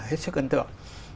hết sức ấn tượng